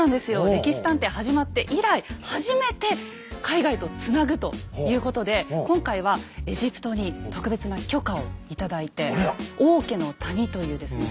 「歴史探偵」始まって以来初めて海外とつなぐということで今回はエジプトに特別な許可を頂いて「王家の谷」というですね